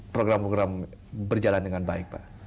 program program berjalan dengan baik pak